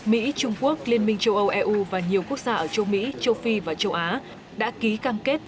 mỹ trung quốc liên minh châu âu eu và nhiều quốc gia ở châu mỹ châu phi và châu á đã ký cam kết